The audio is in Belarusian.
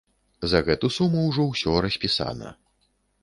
За гэту суму ўжо ўсё распісана!